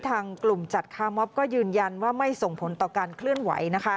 ทางกลุ่มจัดคาร์มอบก็ยืนยันว่าไม่ส่งผลต่อการเคลื่อนไหว